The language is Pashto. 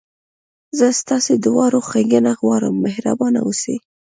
زه ستاسي دواړو ښېګڼه غواړم، مهربانه اوسئ.